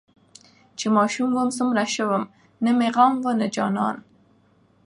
چې ماشوم وم سومره شه وو نه مې غم وو نه جانان.